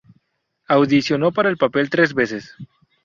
Audicionó para el papel tres veces.